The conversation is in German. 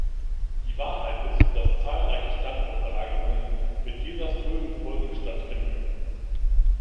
Die Wahrheit ist, dass zahlreiche Standortverlagerungen mit desaströsen Folgen stattfinden.